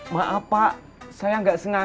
maaf pak saya nggak sengaja